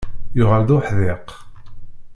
Yuɣal d uḥdiq.